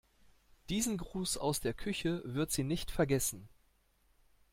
Diesen Gruß aus der Küche wird sie nicht vergessen.